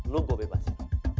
lu gue bebasin